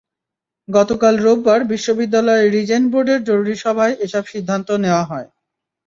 গতকাল রোববার বিশ্ববিদ্যালয় রিজেন্ট বোর্ডের জরুরি সভায় এসব সিদ্ধান্ত নেওয়া হয়।